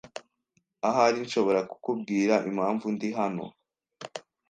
Ahari nshobora kukubwira impamvu ndi hano.